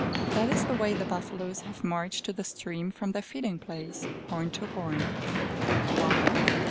That is the way the buffaloes have marched to the stream from their feeding place horn to horn. Why?